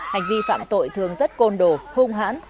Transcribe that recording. hành vi phạm tội thường rất côn đồ hung hãn